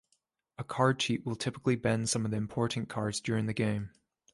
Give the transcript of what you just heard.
A card cheat will typically bend some of the important cards during the game.